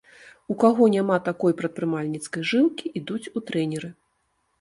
У каго няма такой прадпрымальніцкай жылкі, ідуць у трэнеры.